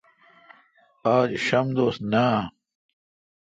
آج شنب دوس نہ۔